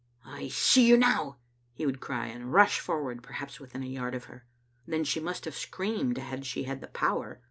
" I see you now," he would cry, and rush forward perhaps within a yard of her. Then she must have screamed had she had the power.